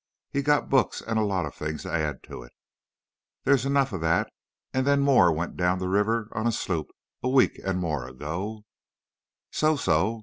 He got books, an' a lot o' things to add to it. Dere's enough o' dat; an' den more went down de ribber on a sloop a week an' more ago.' "'So! so!